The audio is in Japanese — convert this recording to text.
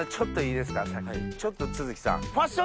ちょっと都築さん。